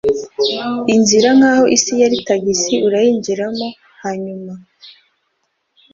inzira! nkaho isi yari tagisi, urayinjiramo, hanyuma